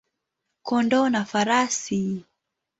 kondoo na farasi.